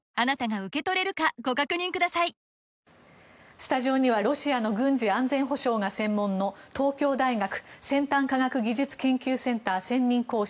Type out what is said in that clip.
スタジオにはロシアの軍事・安全保障が専門の東京大学先端科学技術研究センター専任講師